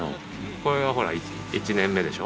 これはほら１年目でしょ。